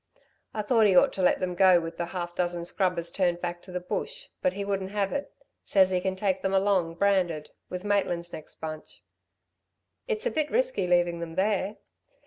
I thought he ought to let them go with the half dozen scrubbers turned back to the bush, but he wouldn't have it; says he can take them along, branded, with Maitland's next bunch." "It's a bit risky leavin' them there."